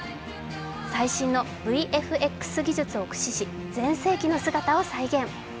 最新のＶＦＸ技術を駆使し全盛期の姿を再現。